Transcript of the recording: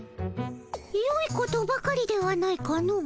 よいことばかりではないかの。